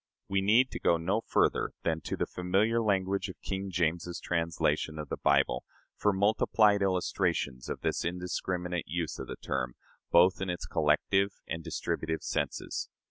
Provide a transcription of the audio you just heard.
We need go no further than to the familiar language of King James's translation of the Bible for multiplied illustrations of this indiscriminate use of the term, both in its collective and distributive senses.